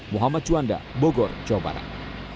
muhammad juanda bogor jawa barat